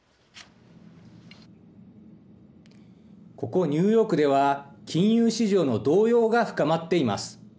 ここニューヨークでは、金融市場の動揺が深まっています。